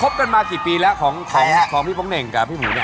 ครบกันมากี่ปีแล้วของพี่ป๊อมเน่งกับพี่หุ้น